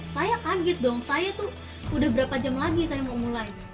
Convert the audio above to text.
saya kaget dong saya tuh udah berapa jam lagi saya mau mulai